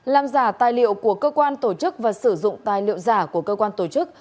làm giả tài liệu của cơ quan tổ chức và sử dụng tài liệu giả của cơ quan tổ chức